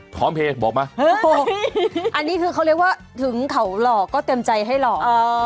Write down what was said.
พร้อมเพลงบอกมาอันนี้คือเขาเรียกว่าถึงเขาหล่อก็เต็มใจให้หล่อ